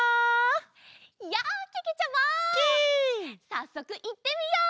さっそくいってみよう！